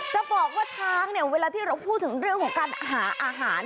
จะบอกว่าช้างเนี่ยเวลาที่เราพูดถึงเรื่องของการหาอาหาร